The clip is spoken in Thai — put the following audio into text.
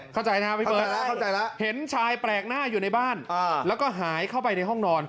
เข้าใจนะครับพี่เบิร์ตเข้าใจแล้วเห็นชายแปลกหน้าอยู่ในบ้านแล้วก็หายเข้าไปในห้องนอน